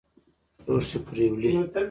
لوښي پرېولي.